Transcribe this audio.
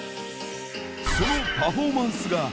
そのパフォーマンスが。